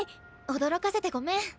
驚かせてごめん。